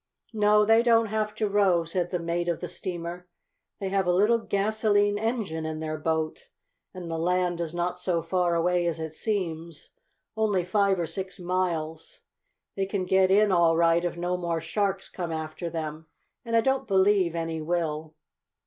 "No, they don't have to row," said the mate of the steamer. "They have a little gasolene engine in their boat, and the land is not so far away as it seems, only five or six miles. They can get in all right if no more sharks come after them, and I don't believe any will."